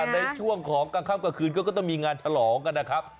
ในช่วงของกลางค่ำกลางคืนก็ต้องมีงานฉลองกันนะครับ